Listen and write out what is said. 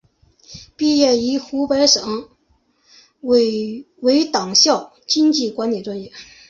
毕业于湖北省委党校经济管理专业。